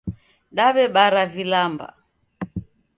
Daw'ebara vilamba